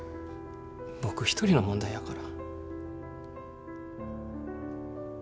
僕一人の問題やから。